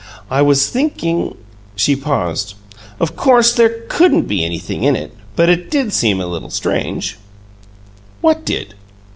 I was thinking " She paused. "Of COURSE there couldn't be anything in it, but it did seem a little strange." "What did?"